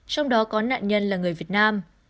trong đó có nạn nhân là người việt nam